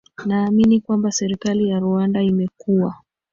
naamini kwamba serikali ya rwanda imekuwa